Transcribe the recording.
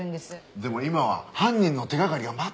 でも今は犯人の手掛かりが全くないんですよ。